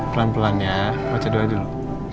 pelan pelan ya baca doa dulu